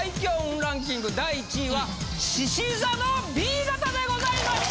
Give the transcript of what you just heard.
ランキング第１位は獅子座のＢ型でございました！